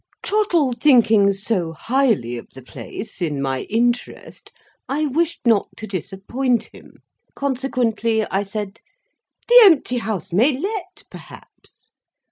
Trottle thinking so highly of the place, in my interest, I wished not to disappoint him. Consequently I said: "The empty House may let, perhaps."